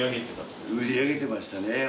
売り上げてましたね